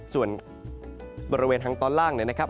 ส่วนบริเวณทางตอนล่างเนี่ยนะครับ